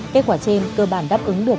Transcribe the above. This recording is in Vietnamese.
kết quả trên cơ bản đáp ứng được